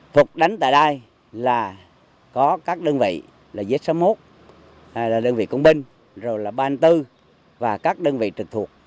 thuộc đánh tại đây là có các đơn vị là giết sớm hốt đơn vị công binh rồi là ban tư và các đơn vị trực thuộc